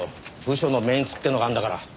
部署のメンツってのがあるんだから。